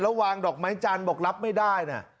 แล้ววางดอกไม้จันทร์บอกรับไม่ได้นะ